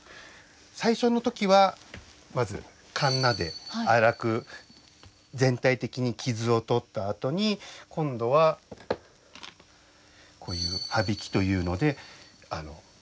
最初の時はまずかんなで粗く全体的に傷を取ったあとに今度はこういうはびきというので平らにならす。